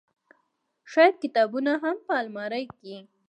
شايد کتابونه هم په المارۍ کې